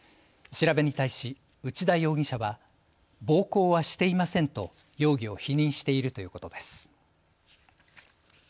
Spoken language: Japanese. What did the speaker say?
調べに対し、内田容疑者は暴行はしていませんと容疑を否認しているということです。